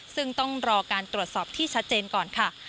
ซึ่งต้องรอการตรวจสอบที่ชัดเจนก่อนค่ะ